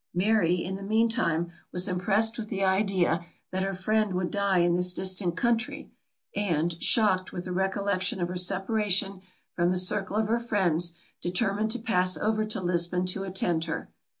Mary, in the mean time, was impressed with the idea that her friend would die in this distant country; and, shocked with the recollection of her separation from the circle of her friends, determined to pass over to Lisbon to attend her.